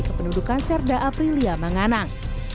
kependudukan serda aprilia menganang